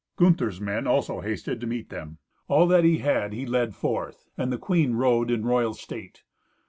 Gunther's men also hasted to meet them; all that he had he led forth; and the queen rode in royal state.